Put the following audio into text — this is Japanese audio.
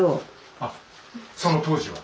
あっその当時は？